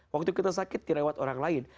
waktu kita sakit dirawat orang lain